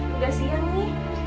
udah siang nih